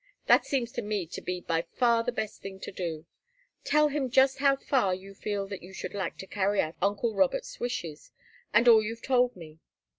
That seems to me to be by far the best thing to do. Tell him just how far you feel that you should like to carry out uncle Robert's wishes, and all you've told me.